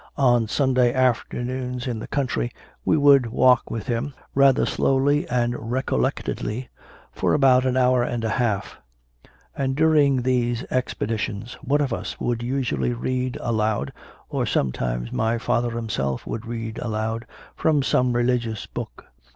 On Sunday afternoons in the country we would walk with him, rather slowly and recollectedly, for about an hour and a half; and during these expedi tions one of us would usually read aloud, or some tunes my father himself would read aloud from some religious book.